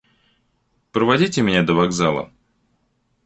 – Проводите меня до вокзала.